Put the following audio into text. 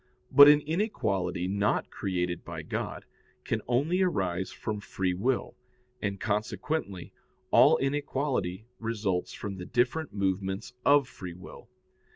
But an inequality not created by God can only arise from free will, and consequently all inequality results from the different movements of free will.